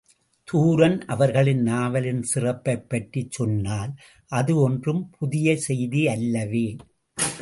தூரன் அவர்களின் நாவலின் சிறப்பைப்பற்றிச் சொன்னால் அது ஒன்றும் புதிய செய்தி அல்லவே!